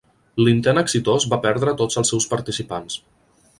L'intent exitós va perdre tots els seus participants.